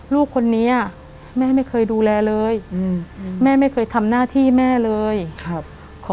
ลูกคนนี้อ่ะแม่ไม่เคยดูแลเลยอืมแม่ไม่เคยทำหน้าที่แม่เลยครับขอ